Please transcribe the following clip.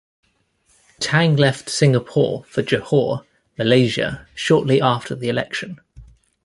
Tang left Singapore for Johor, Malaysia, shortly after the election.